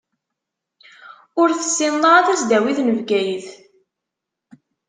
Ur tessineḍ ara tasdawit n Bgayet.